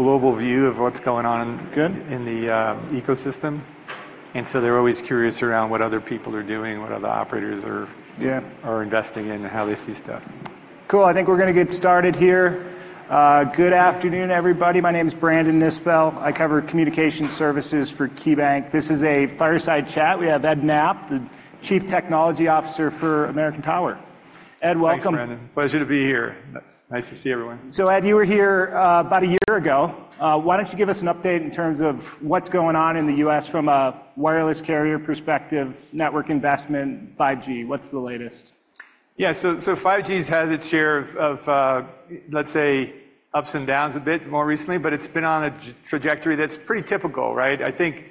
Global view of what's going on. Good. -in the ecosystem. And so they're always curious around what other people are doing, what other operators are- Yeah are investing in, and how they see stuff. Cool. I think we're gonna get started here. Good afternoon, everybody. My name is Brandon Nispel. I cover communication services for KeyBanc. This is a fireside chat. We have Ed Knapp, the Chief Technology Officer for American Tower. Ed, welcome. Thanks, Brandon. Pleasure to be here. Nice to see everyone. So Ed, you were here, about a year ago. Why don't you give us an update in terms of what's going on in the U.S. from a wireless carrier perspective, network investment, 5G? What's the latest? Yeah, so 5G has had its share of, let's say, ups and downs a bit more recently, but it's been on a trajectory that's pretty typical, right? I think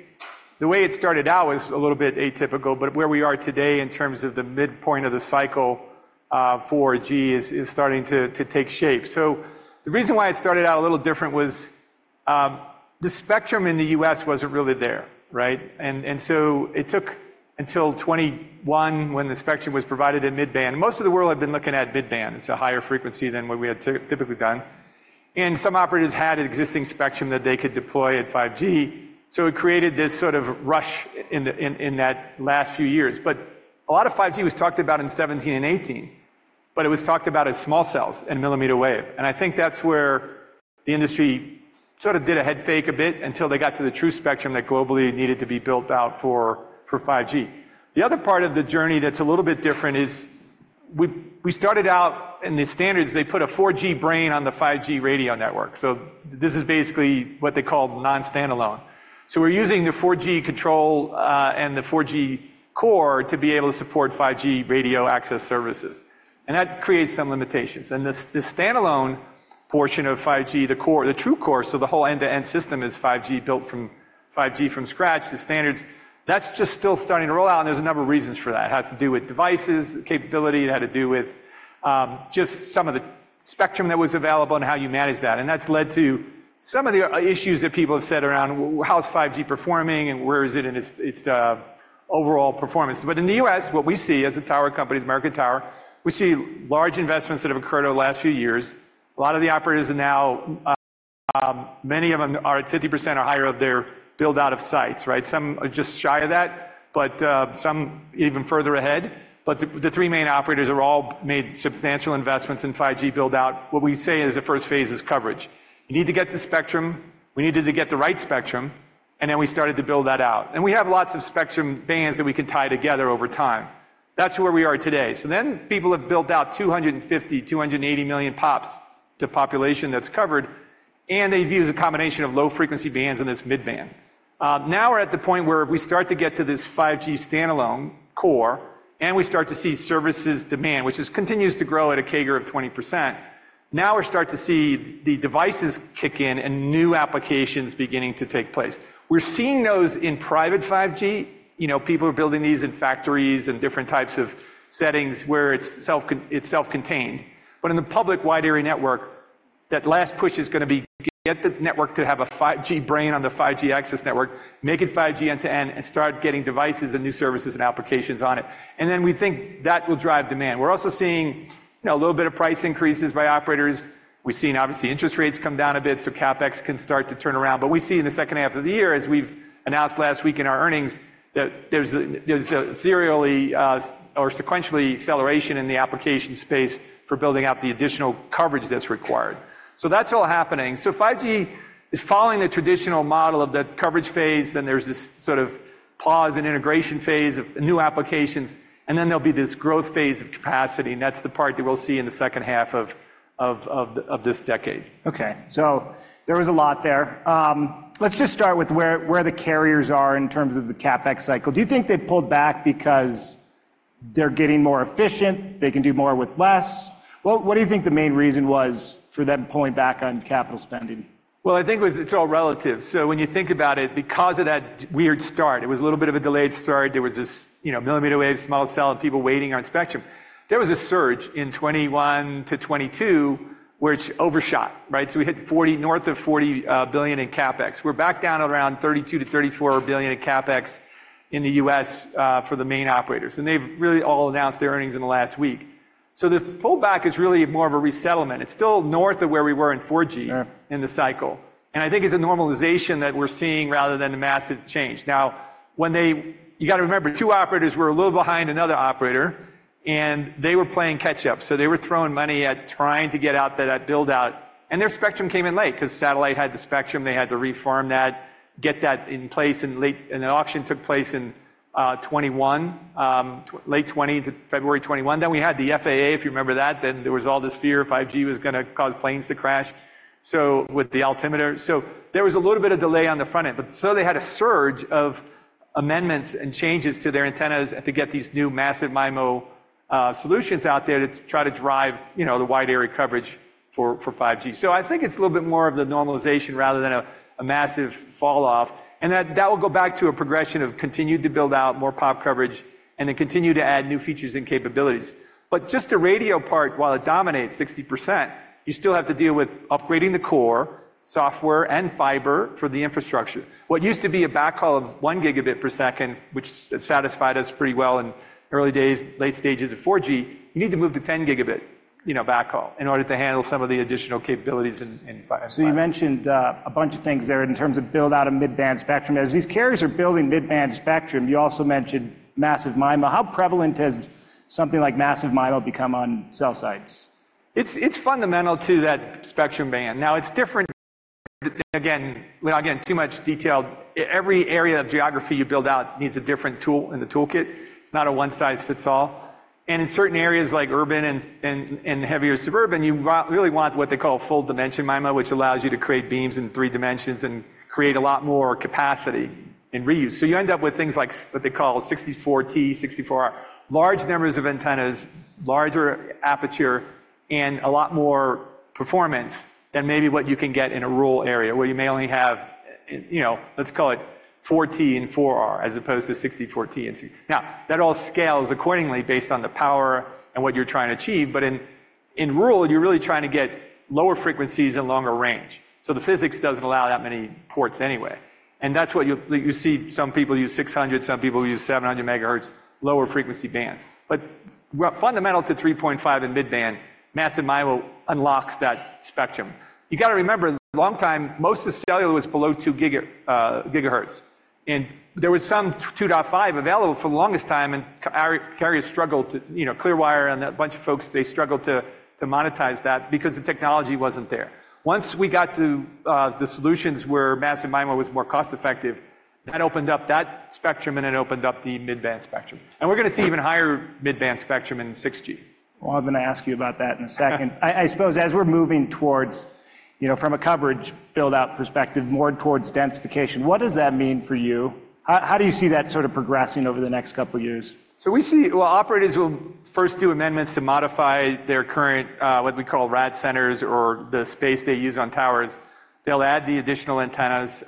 the way it started out was a little bit atypical, but where we are today in terms of the midpoint of the cycle for 5G is starting to take shape. So the reason why it started out a little different was, the spectrum in the U.S. wasn't really there, right? And so it took until 2021, when the spectrum was provided in mid-band. Most of the world had been looking at mid-band. It's a higher frequency than what we had typically done. And some operators had existing spectrum that they could deploy at 5G, so it created this sort of rush in the last few years. But a lot of 5G was talked about in 2017 and 2018, but it was talked about as small cells and millimeter wave, and I think that's where the industry sort of did a head fake a bit until they got to the true spectrum that globally needed to be built out for 5G. The other part of the journey that's a little bit different is we started out, in the standards, they put a 4G brain on the 5G radio network. So this is basically what they call non-standalone. So we're using the 4G control, and the 4G core to be able to support 5G radio access services, and that creates some limitations. And the standalone portion of 5G, the core, the true core, so the whole end-to-end system is 5G, built from 5G from scratch, the standards, that's just still starting to roll out, and there's a number of reasons for that. It has to do with devices, capability, it had to do with just some of the spectrum that was available and how you manage that. And that's led to some of the issues that people have said around how's 5G performing and where is it in its overall performance. But in the U.S., what we see as a tower company, American Tower, we see large investments that have occurred over the last few years. A lot of the operators are now, many of them are at 50% or higher of their build-out of sites, right? Some are just shy of that, but some even further ahead. But the three main operators have all made substantial investments in 5G build-out. What we say is the first phase is coverage. You need to get the spectrum, we needed to get the right spectrum, and then we started to build that out. And we have lots of spectrum bands that we can tie together over time. That's where we are today. So then, people have built out 250-280 million POPs to population that's covered, and they've used a combination of low-frequency bands and this mid-band. Now we're at the point where we start to get to this 5G standalone core, and we start to see services demand, which is continues to grow at a CAGR of 20%. Now, we're starting to see the devices kick in and new applications beginning to take place. We're seeing those in private 5G. You know, people are building these in factories and different types of settings where it's self-contained. But in the public wide area network, that last push is gonna be get the network to have a 5G brain on the 5G access network, make it 5G end-to-end, and start getting devices and new services and applications on it. And then we think that will drive demand. We're also seeing, you know, a little bit of price increases by operators. We've seen, obviously, interest rates come down a bit, so CapEx can start to turn around. But we see in the second half of the year, as we've announced last week in our earnings, that there's a serially or sequentially acceleration in the application space for building out the additional coverage that's required. So that's all happening. So 5G is following the traditional model of that coverage phase, then there's this sort of pause and integration phase of new applications, and then there'll be this growth phase of capacity, and that's the part that we'll see in the second half of this decade. Okay, so there was a lot there. Let's just start with where the carriers are in terms of the CapEx cycle. Do you think they pulled back because they're getting more efficient, they can do more with less? What do you think the main reason was for them pulling back on capital spending? Well, I think it was, it's all relative. So when you think about it, because of that weird start, it was a little bit of a delayed start. There was this, you know, millimeter wave, small cell, and people waiting on spectrum. There was a surge in 2021-2022, which overshot, right? So we hit north of $40 billion in CapEx. We're back down around $32 billion-$34 billion in CapEx in the U.S. for the main operators, and they've really all announced their earnings in the last week. So the pullback is really more of a resettlement. It's still north of where we were in 4G- Sure... in the cycle, and I think it's a normalization that we're seeing rather than a massive change. Now, when they... You gotta remember, two operators were a little behind another operator, and they were playing catch-up. So they were throwing money at trying to get out there, that build-out, and their spectrum came in late 'cause satellite had the spectrum. They had to refarm that, get that in place in late, and the auction took place in 2021, late 2020 to February 2021. Then we had the FAA, if you remember that, then there was all this fear 5G was gonna cause planes to crash, so with the altimeter. So there was a little bit of delay on the front end, but so they had a surge of amendments and changes to their antennas to get these new massive MIMO solutions out there to try to drive, you know, the wide area coverage for, for 5G. So I think it's a little bit more of the normalization rather than a, a massive falloff, and that, that will go back to a progression of continuing to build out more POP coverage and then continue to add new features and capabilities. But just the radio part, while it dominates 60%, you still have to deal with upgrading the core, software, and fiber for the infrastructure. What used to be a backhaul of 1 Gbps, which satisfied us pretty well in early days, late stages of 4G, you need to move to 10 Gbps, you know, backhaul, in order to handle some of the additional capabilities in, in fi- So you mentioned a bunch of things there in terms of build out a mid-band spectrum. As these carriers are building mid-band spectrum, you also mentioned massive MIMO. How prevalent has something like massive MIMO become on cell sites? It's fundamental to that spectrum band. Now, it's different. And again, without getting too much detailed, every area of geography you build out needs a different tool in the toolkit. It's not a one-size-fits-all. And in certain areas like urban and heavier suburban, you really want what they call Full Dimension MIMO, which allows you to create beams in three dimensions and create a lot more capacity and reuse. So you end up with things like what they call 64T64R. Large numbers of antennas, larger aperture, and a lot more performance than maybe what you can get in a rural area, where you may only have, you know, let's call it 4T and 4R, as opposed to 64T and 64R. Now, that all scales accordingly based on the power and what you're trying to achieve, but in rural, you're really trying to get lower frequencies and longer range. So the physics doesn't allow that many ports anyway. And that's what you'll see some people use 600, some people use 700 MHz, lower frequency bands. But we're fundamental to 3.5 in mid-band, massive MIMO unlocks that spectrum. You gotta remember, long time, most of the cellular was below 2 GHz. And there was some 2.5 available for the longest time, and carriers struggled to, you know, Clearwire and a bunch of folks, they struggled to monetize that because the technology wasn't there. Once we got to the solutions where massive MIMO was more cost-effective, that opened up that spectrum, and it opened up the mid-band spectrum. We're gonna see even higher mid-band spectrum in 6G. Well, I'm gonna ask you about that in a second. I suppose as we're moving towards, you know, from a coverage build-out perspective, more towards densification, what does that mean for you? How do you see that sort of progressing over the next couple of years? So we see. Well, operators will first do amendments to modify their current, what we call rad centers or the space they use on towers. They'll add the additional antennas.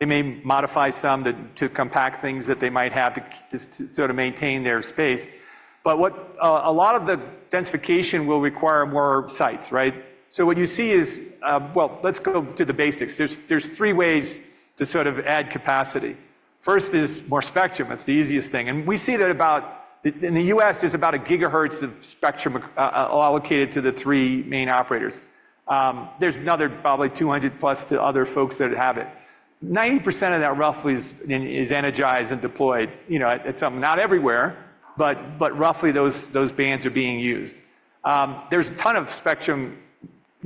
They may modify some to compact things that they might have to, to sort of maintain their space. But what, a lot of the densification will require more sites, right? So what you see is. Well, let's go to the basics. There's three ways to sort of add capacity. First is more spectrum. That's the easiest thing, and we see that about, in the U.S., there's about 1 GHz of spectrum allocated to the three main operators. There's another probably 200+ to other folks that have it. 90% of that roughly is energized and deployed, you know, at some, not everywhere, but roughly those bands are being used. There's a ton of spectrum,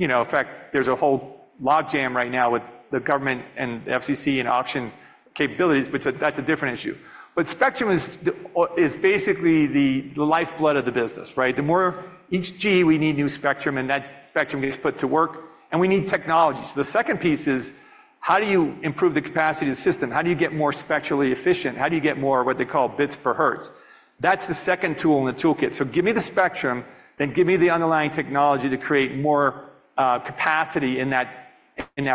you know, in fact, there's a whole logjam right now with the government and the FCC and auction capabilities, but that's a different issue. But spectrum is basically the lifeblood of the business, right? The more... Each G, we need new spectrum, and that spectrum needs put to work, and we need technology. So the second piece is, how do you improve the capacity of the system? How do you get more spectrally efficient? How do you get more, what they call bits per hertz? That's the second tool in the toolkit. So give me the spectrum, then give me the underlying technology to create more capacity in that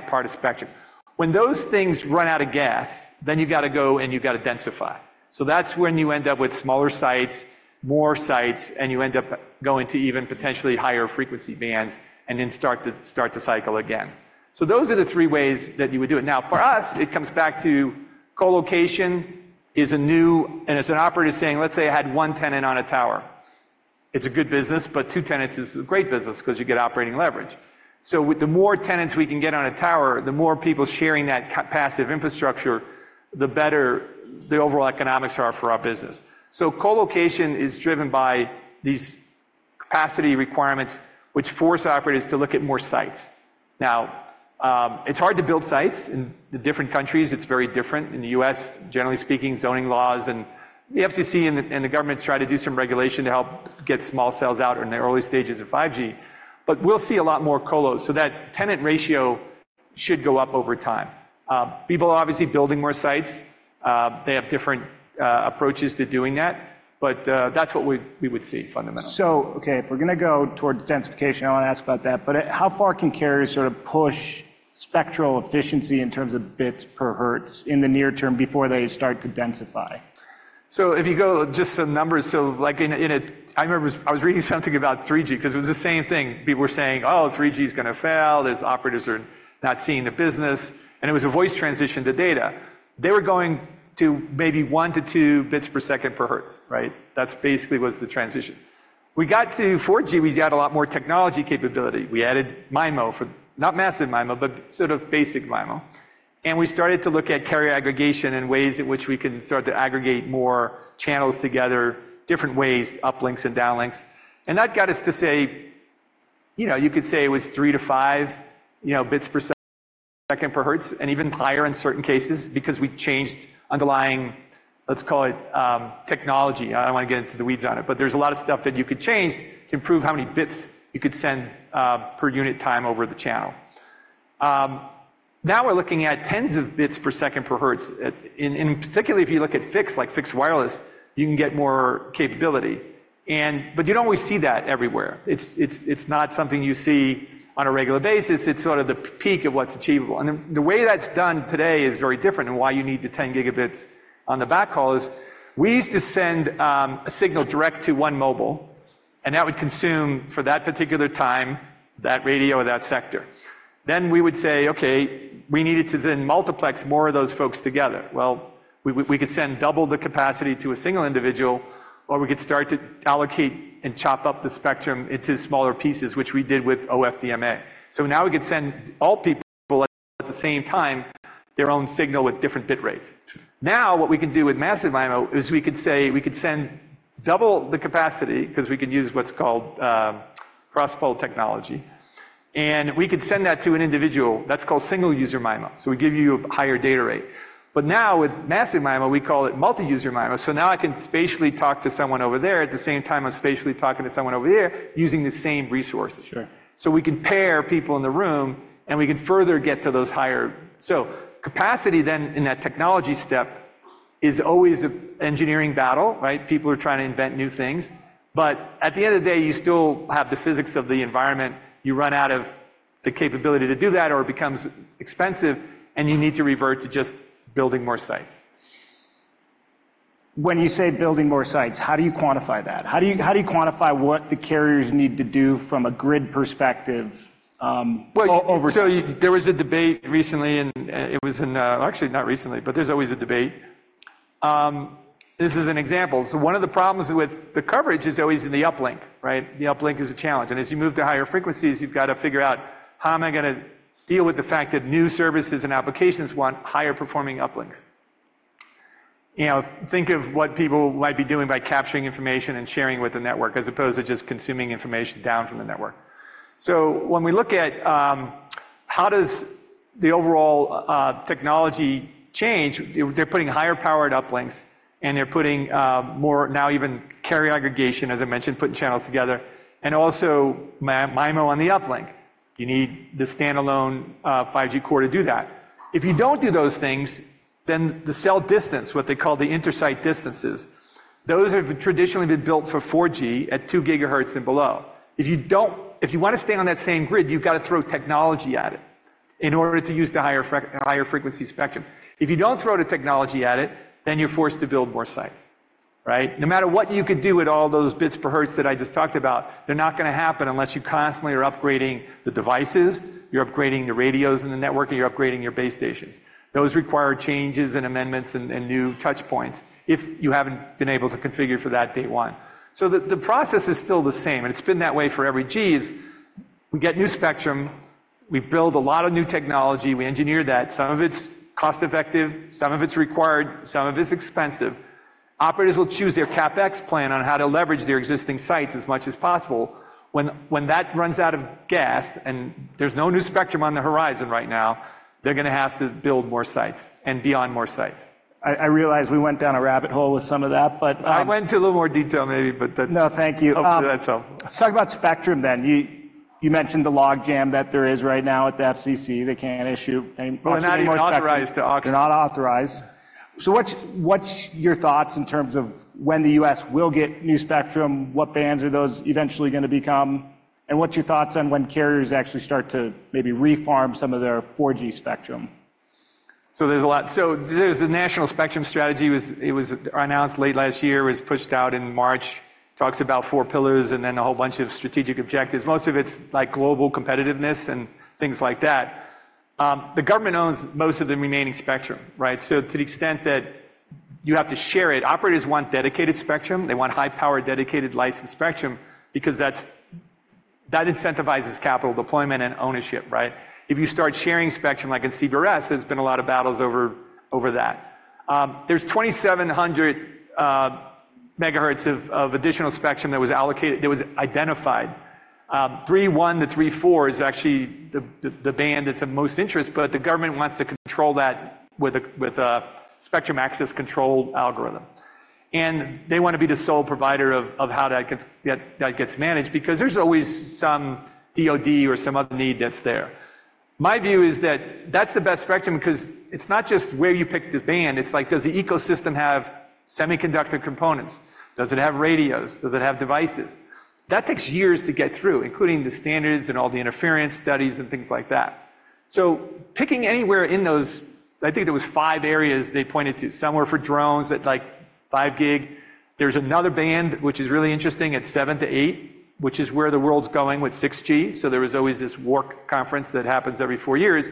part of the spectrum. When those things run out of gas, then you've got to go, and you've got to densify. So that's when you end up with smaller sites, more sites, and you end up going to even potentially higher frequency bands and then start to start to cycle again. So those are the three ways that you would do it. Now, for us, it comes back to colocation is a new... And as an operator saying, let's say I had one tenant on a tower. It's a good business, but two tenants is a great business 'cause you get operating leverage. So with the more tenants we can get on a tower, the more people sharing that passive infrastructure, the better the overall economics are for our business. So colocation is driven by these capacity requirements, which force operators to look at more sites. Now, it's hard to build sites. In the different countries, it's very different. In the U.S., generally speaking, zoning laws and the FCC and the government try to do some regulation to help get small cells out in the early stages of 5G. But we'll see a lot more colo, so that tenant ratio should go up over time. People are obviously building more sites. They have different approaches to doing that, but that's what we would see fundamentally. So, okay, if we're gonna go towards densification, I want to ask about that, but, how far can carriers sort of push spectral efficiency in terms of bits per hertz in the near term before they start to densify? So if you go just some numbers, so like... I remember I was reading something about 3G because it was the same thing. People were saying, "Oh, 3G is gonna fail. These operators are not seeing the business." And it was a voice transition to data. They were going to maybe 1-2 bits per second per hertz, right? That's basically was the transition. We got to 4G, we got a lot more technology capability. We added MIMO for, not massive MIMO, but sort of basic MIMO. And we started to look at carrier aggregation and ways in which we can start to aggregate more channels together, different ways, uplinks and downlinks. That got us to say, you know, you could say it was 3-5, you know, bits per second per hertz, and even higher in certain cases because we changed underlying, let's call it, technology. I don't want to get into the weeds on it, but there's a lot of stuff that you could change to improve how many bits you could send per unit time over the channel. Now we're looking at tens of bits per second per hertz. And particularly, if you look at fixed, like fixed wireless, you can get more capability, and but you don't always see that everywhere. It's not something you see on a regular basis. It's sort of the peak of what's achievable. The way that's done today is very different, and why you need the 10 Gb on the backhaul is, we used to send a signal direct to one mobile, and that would consume, for that particular time, that radio or that sector. Then we would say, "Okay, we need it to then multiplex more of those folks together." Well, we could send double the capacity to a single individual, or we could start to allocate and chop up the spectrum into smaller pieces, which we did with OFDMA. So now we could send all people at the same time, their own signal with different bit rates. Now, what we can do with massive MIMO is we could say, we could send double the capacity, because we could use what's called cross-pole technology, and we could send that to an individual. That's called single user MIMO. So we give you a higher data rate. But now, with massive MIMO, we call it multi-user MIMO. So now I can spatially talk to someone over there at the same time I'm spatially talking to someone over there, using the same resources. Sure. So we can pair people in the room, and we can further get to those higher. So capacity then, in that technology step, is always an engineering battle, right? People are trying to invent new things, but at the end of the day, you still have the physics of the environment. You run out of the capability to do that, or it becomes expensive, and you need to revert to just building more sites. When you say building more sites, how do you quantify that? How do you quantify what the carriers need to do from a grid perspective, over- So there was a debate recently, and it was in... Actually, not recently, but there's always a debate. This is an example. So one of the problems with the coverage is always in the uplink, right? The uplink is a challenge, and as you move to higher frequencies, you've got to figure out, how am I gonna deal with the fact that new services and applications want higher performing uplinks? You know, think of what people might be doing by capturing information and sharing with the network, as opposed to just consuming information down from the network. So when we look at how does the overall technology change, they're putting higher-powered uplinks, and they're putting more now even carrier aggregation, as I mentioned, putting channels together, and also MIMO on the uplink. You need the standalone 5G core to do that. If you don't do those things, then the cell distance, what they call the inter-site distances, those have traditionally been built for 4G at 2 GHz and below. If you want to stay on that same grid, you've got to throw technology at it in order to use the higher freq, higher frequency spectrum. If you don't throw the technology at it, then you're forced to build more sites, right? No matter what you could do with all those bits per hertz that I just talked about, they're not gonna happen unless you constantly are upgrading the devices, you're upgrading the radios in the network, and you're upgrading your base stations. Those require changes and amendments and new touch points if you haven't been able to configure for that day one. So the process is still the same, and it's been that way for every G's. We get new spectrum, we build a lot of new technology, we engineer that. Some of it's cost-effective, some of it's required, some of it's expensive. Operators will choose their CapEx plan on how to leverage their existing sites as much as possible. When that runs out of gas, and there's no new spectrum on the horizon right now, they're gonna have to build more sites and be on more sites. I realize we went down a rabbit hole with some of that, but I went into a little more detail, maybe, but that's- No, thank you. Hopefully, that's all. Let's talk about spectrum then. You mentioned the log jam that there is right now at the FCC. They can't issue any more spectrum. Well, they're not even authorized to auction. They're not authorized. So what's your thoughts in terms of when the U.S. will get new spectrum? What bands are those eventually gonna become? And what's your thoughts on when carriers actually start to maybe refarm some of their 4G spectrum? So there's a lot. So there's the National Spectrum Strategy. It was announced late last year, it was pushed out in March. Talks about 4 pillars and then a whole bunch of strategic objectives. Most of it's like global competitiveness and things like that. The government owns most of the remaining spectrum, right? So to the extent that you have to share it, operators want dedicated spectrum. They want high-powered, dedicated licensed spectrum because that's, that incentivizes capital deployment and ownership, right? If you start sharing spectrum, like in CBRS, there's been a lot of battles over that. There's 2700 MHz of additional spectrum that was allocated, that was identified. 3.1-3.4 is actually the band that's of most interest, but the government wants to control that with a spectrum access control algorithm. They want to be the sole provider of how that gets managed because there's always some DoD or some other need that's there. My view is that that's the best spectrum because it's not just where you pick the band, it's like, does the ecosystem have semiconductor components? Does it have radios? Does it have devices? That takes years to get through, including the standards and all the interference studies and things like that. So picking anywhere in those, I think there was five areas they pointed to. Some were for drones at, like, five gig. There's another band, which is really interesting, at 7-8, which is where the world's going with 6G. So there was always this WARC conference that happens every 4 years,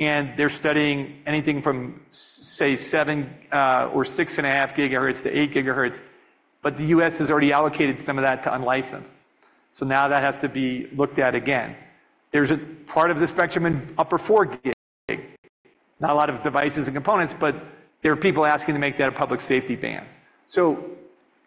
and they're studying anything from say, 7, or 6.5 GHz to 8 GHz, but the U.S. has already allocated some of that to unlicensed. So now that has to be looked at again. There's a part of the spectrum in upper 4 gig. Not a lot of devices and components, but there are people asking to make that a public safety band. So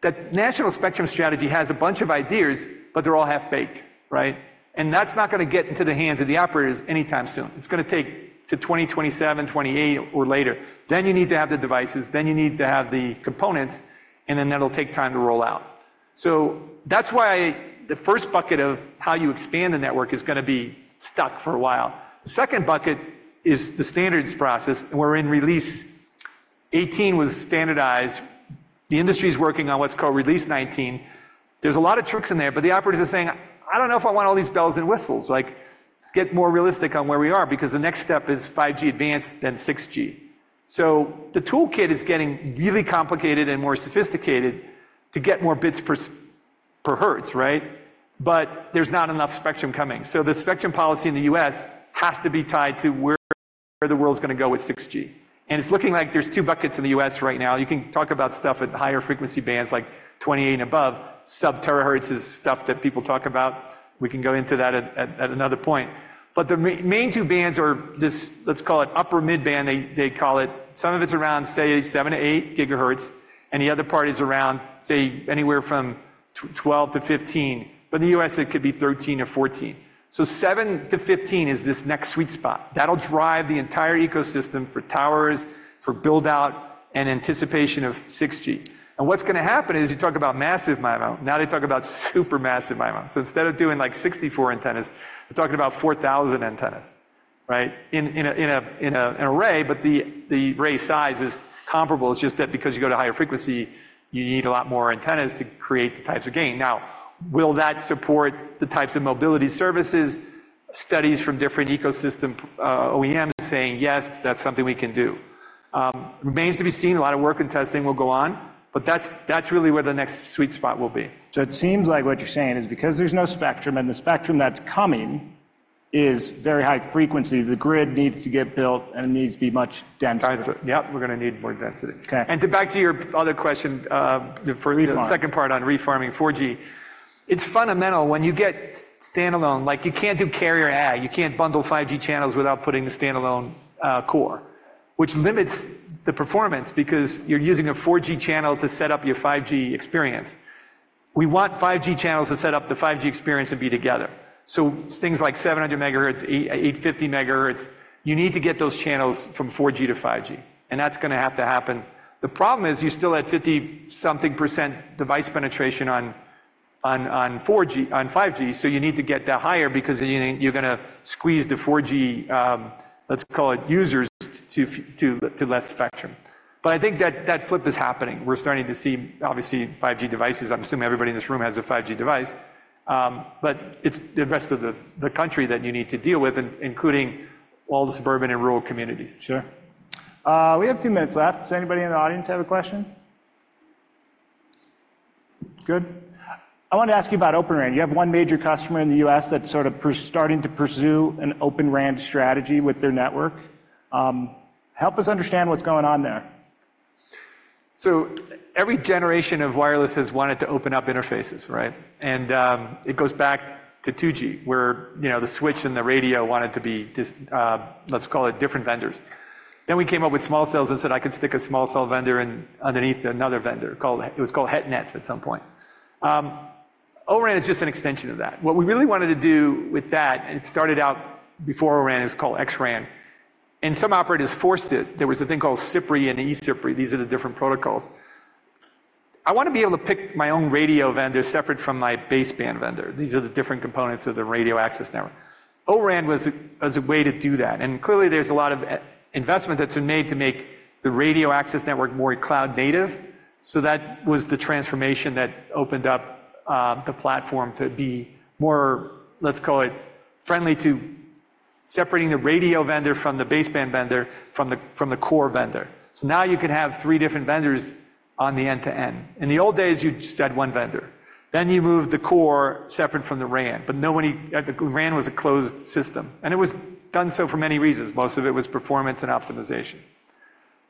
the National Spectrum Strategy has a bunch of ideas, but they're all half-baked, right? And that's not gonna get into the hands of the operators anytime soon. It's gonna take to 2027, 2028 or later. Then you need to have the devices, then you need to have the components, and then that'll take time to roll out. So that's why the first bucket of how you expand the network is gonna be stuck for a while. The second bucket is the standards process, and we're in Release 18 was standardized. The industry is working on what's called Release 19. There's a lot of tricks in there, but the operators are saying: "I don't know if I want all these bells and whistles." Like, get more realistic on where we are because the next step is 5G Advanced, then 6G. So the toolkit is getting really complicated and more sophisticated to get more bits per hertz, right? But there's not enough spectrum coming. So the spectrum policy in the U.S. has to be tied to where the world's gonna go with 6G. And it's looking like there's two buckets in the U.S. right now. You can talk about stuff at higher frequency bands, like 28 and above. Sub-terahertz is stuff that people talk about. We can go into that at another point. But the main two bands are this, let's call it upper mid-band, they call it. Some of it's around, say, 7 GHz-8 GHz, and the other part is around, say, anywhere from 12-15, but in the U.S. it could be 13 or 14. So 7-15 is this next sweet spot. That'll drive the entire ecosystem for towers, for build-out, and anticipation of 6G. And what's gonna happen is, you talk about massive MIMO, now they talk about super massive MIMO. So instead of doing, like, 64 antennas, we're talking about 4,000 antennas, right? In an array, but the array size is comparable. It's just that because you go to higher frequency, you need a lot more antennas to create the types of gain. Now, will that support the types of mobility services? Studies from different ecosystem, OEMs saying, "Yes, that's something we can do." Remains to be seen. A lot of work and testing will go on, but that's really where the next sweet spot will be. So it seems like what you're saying is because there's no spectrum, and the spectrum that's coming is very high frequency, the grid needs to get built, and it needs to be much denser. That's it. Yep, we're gonna need more density. Okay. Back to your other question, Refarming. The second part on refarming 4G, it's fundamental. When you get standalone, like, you can't do carrier agg. You can't bundle 5G channels without putting the standalone core, which limits the performance because you're using a 4G channel to set up your 5G experience. We want 5G channels to set up the 5G experience and be together. So things like 700 MHz, 850 MHz, you need to get those channels from 4G to 5G, and that's gonna have to happen. The problem is you still have 50-something% device penetration on 4G, on 5G, so you need to get that higher because you, you're gonna squeeze the 4G, let's call it, users to to less spectrum. But I think that that flip is happening. We're starting to see, obviously, 5G devices. I'm assuming everybody in this room has a 5G device, but it's the rest of the country that you need to deal with, including all the suburban and rural communities. Sure. We have a few minutes left. Does anybody in the audience have a question? Good. I wanted to ask you about Open RAN. You have one major customer in the U.S. that's sort of starting to pursue an Open RAN strategy with their network. Help us understand what's going on there. So every generation of wireless has wanted to open up interfaces, right? And it goes back to 2G, where, you know, the switch and the radio wanted to be just, let's call it different vendors. Then we came up with small cells and said, "I could stick a small cell vendor in underneath another vendor," called... It was called HetNets at some point. O-RAN is just an extension of that. What we really wanted to do with that, and it started out before O-RAN, it was called xRAN, and some operators forced it. There was a thing called CPRI and eCPRI. These are the different protocols. I wanna be able to pick my own radio vendor separate from my baseband vendor. These are the different components of the radio access network. O-RAN was a way to do that, and clearly, there's a lot of investment that's been made to make the radio access network more cloud native. So that was the transformation that opened up the platform to be more, let's call it, friendly to separating the radio vendor from the baseband vendor, from the core vendor. So now you can have three different vendors on the end-to-end. In the old days, you just had one vendor. Then you moved the core separate from the RAN, but the RAN was a closed system, and it was done so for many reasons. Most of it was performance and optimization.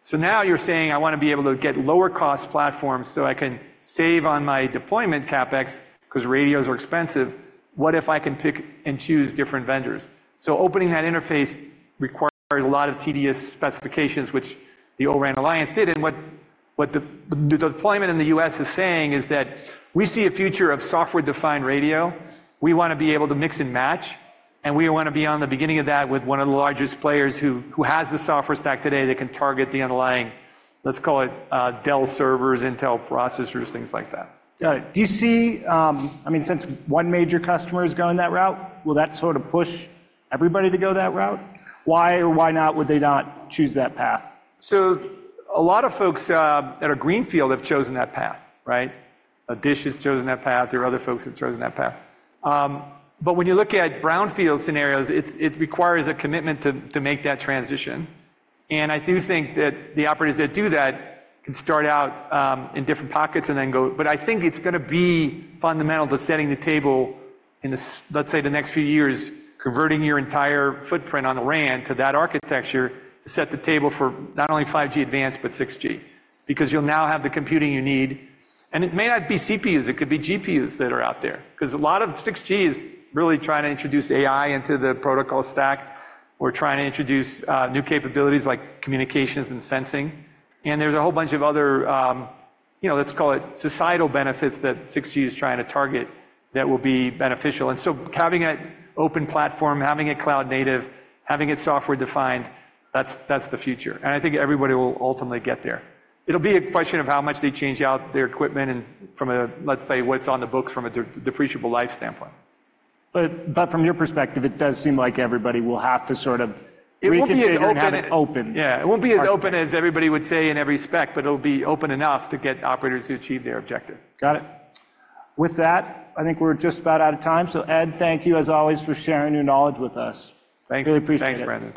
So now you're saying: I want to be able to get lower-cost platforms so I can save on my deployment CapEx, 'cause radios are expensive. What if I can pick and choose different vendors? So opening that interface requires a lot of tedious specifications, which the O-RAN Alliance did, and what the deployment in the U.S. is saying is that we see a future of software-defined radio. We wanna be able to mix and match, and we wanna be on the beginning of that with one of the largest players who has the software stack today that can target the underlying, let's call it, Dell servers, Intel processors, things like that. Got it. Do you see, I mean, since one major customer is going that route, will that sort of push everybody to go that route? Why or why not would they not choose that path? So a lot of folks at our greenfield have chosen that path, right? Dish has chosen that path. There are other folks who have chosen that path. But when you look at brownfield scenarios, it's, it requires a commitment to, to make that transition, and I do think that the operators that do that can start out in different pockets and then go... But I think it's gonna be fundamental to setting the table in the, let's say, the next few years, converting your entire footprint on the RAN to that architecture, to set the table for not only 5G Advanced, but 6G. Because you'll now have the computing you need, and it may not be CPUs, it could be GPUs that are out there. 'Cause a lot of 6G is really trying to introduce AI into the protocol stack. We're trying to introduce new capabilities like communications and sensing, and there's a whole bunch of other, you know, let's call it, societal benefits that 6G is trying to target that will be beneficial. And so having an open platform, having it cloud native, having it software-defined, that's the future, and I think everybody will ultimately get there. It'll be a question of how much they change out their equipment and from a, let's say, what's on the books from a depreciable life standpoint. But from your perspective, it does seem like everybody will have to sort of- It won't be as open- Reconfigure and have it open. Yeah, it won't be as open as everybody would say in every spec, but it'll be open enough to get operators to achieve their objective. Got it. With that, I think we're just about out of time. So, Ed, thank you, as always, for sharing your knowledge with us. Thank you. Really appreciate it. Thanks, Brandon.